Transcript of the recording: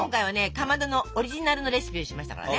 かまどのオリジナルのレシピにしましたからね。